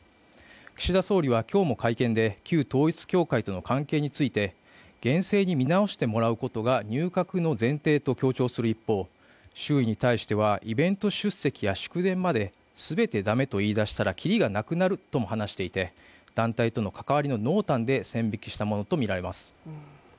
岸田総理は今日も会見で旧統一教会との関係について厳正に見直してもらうことが入閣の前提を強調する一方、周囲に対してはイベント出席や祝電まですべて駄目と言いだしたらきりがなくなるとも話していて、団体との関わりの濃淡で線引きしたものとみられます。